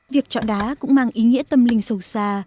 việc chọn đá cũng mang ý nghĩa tâm linh sâu xa